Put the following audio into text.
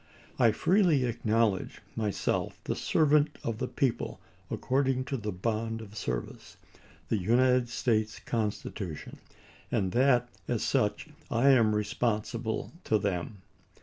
I freely acknowledge my self the servant of the people according to the bond of service, — the United States Constitution, — and that as such I am responsible to them.